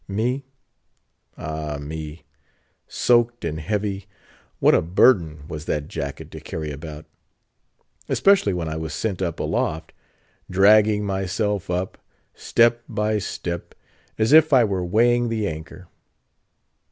Me? Ah me! Soaked and heavy, what a burden was that jacket to carry about, especially when I was sent up aloft; dragging myself up step by step, as if I were weighing the anchor.